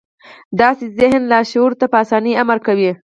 داسې ذهن لاشعور ته په اسانۍ امر کوي